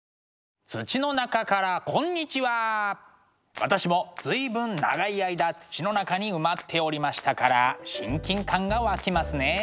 私も随分長い間土の中に埋まっておりましたから親近感が湧きますね。